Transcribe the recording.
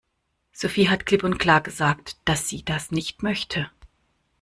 Sophie hat klipp und klar gesagt, dass sie das nicht möchte.